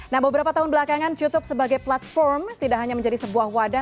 nah beberapa tahun belakangan youtube sebagai platform tidak hanya menjadi sebuah wadah